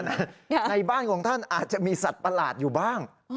ในบ้านของท่านอาจจะมีสัตว์ประหลาดอยู่บ้าง